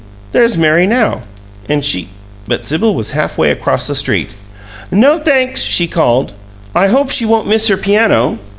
There's Mary now, and she " But Sibyl was half way across the street. "No, thanks," she called. "I hope she won't miss her piano!"